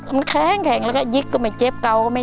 มันแข็งแล้วก็ยิกก็ไม่เจ็บเกา